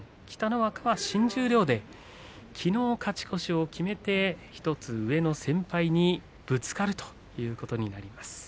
北の若は新十両できのう勝ち越しを決めて１つ上の先輩にぶつかるということになります。